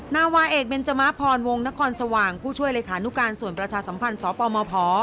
นาวาเอกเบนจมะพรวงนครสว่างผู้ช่วยเลขานุการส่วนประชาสัมพันธ์สปมพ